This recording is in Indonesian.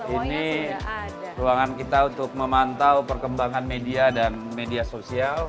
ini ruangan kita untuk memantau perkembangan media dan media sosial